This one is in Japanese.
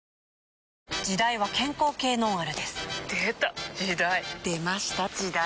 時代は健康系ノンアルですでた！時代！出ました！時代！